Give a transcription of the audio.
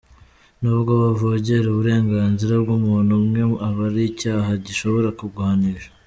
Nubwo wavogera uburenganzira bw’umuntu umwe aba ari icyaha gishobora kuguhanisha.